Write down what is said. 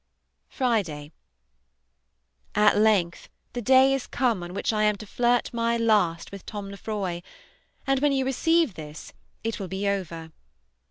Friday. At length the day is come on which I am to flirt my last with Tom Lefroy, and when you receive this it will be over.